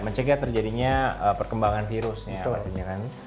mencegah terjadinya perkembangan virus ya artinya kan